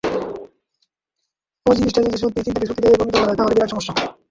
ওই জিনিসটা যদি সত্যিই চিন্তাকে শক্তিতে পরিণত করে, তাহলে বিরাট সমস্যা।